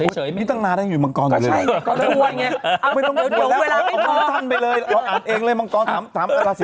สวยสิ